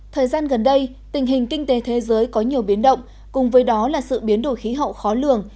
thời gian gần đây tình hình kinh tế thế giới có nhiều biến động cùng với đó là sự biến đổi khí hậu khó lường